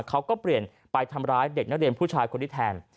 เขาก็เปลี่ยนไปทำร้ายเด็กนักเรียนผู้ชายคนนี้แทน